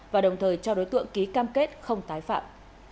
và đồng thời cho đối tượng ký cam kết không tái phạm